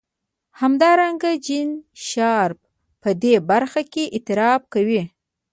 همدارنګه جین شارپ په دې برخه کې اعتراف کوي.